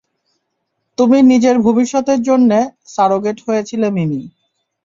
তুমি নিজের ভবিষ্যতের এর জন্যে সারোগেট হয়েছিলে মিমি।